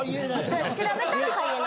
調べたらハイエナ。